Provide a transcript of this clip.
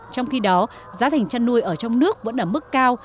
trong khi đó giá thành chăn nuôi ở trong nước vẫn ở mức cao